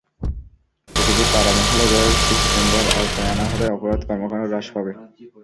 প্রতিটি পাড়া-মহল্লা এভাবে সিসি ক্যামেরার আওতায় আনা হলে অপরাধ কর্মকাণ্ড হ্রাস পাবে।